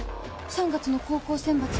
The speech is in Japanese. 「３月の高校選抜」。